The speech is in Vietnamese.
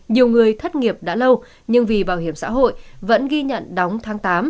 nhiều người thất nghiệp đã lâu nhưng vì bảo hiểm xã hội vẫn ghi nhận đóng tháng tám